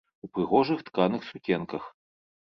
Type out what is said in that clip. У прыгожых тканых сукенках.